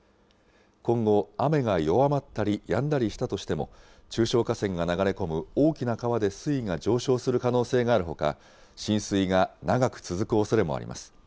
今後、雨が弱まったりやんだりしたとしても、中小河川が流れ込む大きな川で水位が上昇する可能性があるほか、浸水が長く続くおそれもあります。